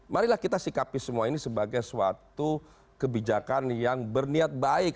marilah kita sikapi semua ini sebagai suatu kebijakan yang berniat baik